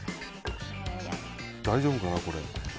大丈夫かな、これ。